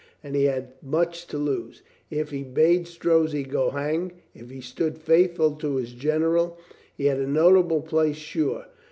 And he had much to lose. If he bade Strozzi go hang, if he stood faithful to his general, he had a notable place sure.